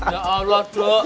ya allah dok